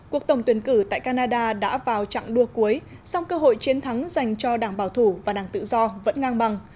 cuộc tổng tuyển cử tại canada đã vào trạng đua cuối song cơ hội chiến thắng dành cho đảng bảo thủ và đảng tự do vẫn ngang bằng